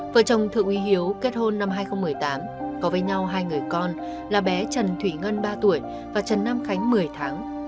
vợ chồng thượng uy hiếu kết hôn năm hai nghìn một mươi tám có với nhau hai người con là bé trần thủy ngân ba tuổi và trần nam khánh một mươi tháng